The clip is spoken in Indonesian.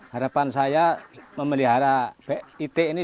harapan saya memelihara it ini